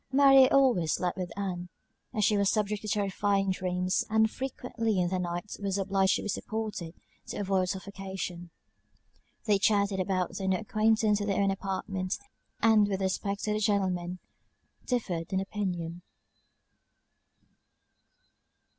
Mary always slept with Ann, as she was subject to terrifying dreams; and frequently in the night was obliged to be supported, to avoid suffocation. They chatted about their new acquaintance in their own apartment, and, with respect to the gentlemen, differed in opinion.